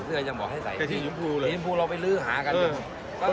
เดียวบ้างมันจะตามไป